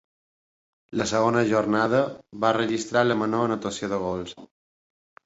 La segona jornada va registrar la menor anotació de gols.